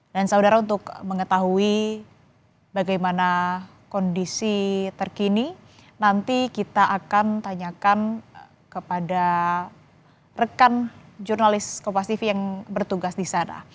dan saudara untuk mengetahui bagaimana kondisi terkini nanti kita akan tanyakan kepada rekan jurnalis kopas tv yang bertugas disana